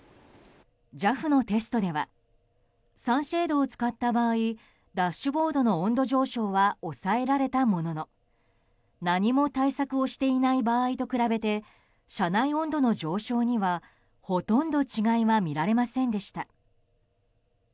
ＪＡＦのテストではサンシェードを使った場合ダッシュボードの温度上昇は抑えられたものの何も対策をしていない場合と比べて車内温度の上昇にはほとんど違いが見られませんでした。